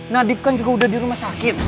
nadif kan juga udah di rumah sakit